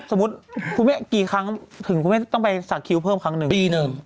สมมติพวกเมฆกี่ครั้งถึงต้องไปสักคิ้วเพิ่มครั้งหนึ่ง